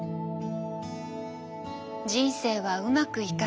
人生はうまくいかない。